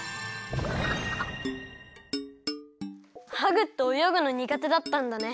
ハグっておよぐのにがてだったんだね。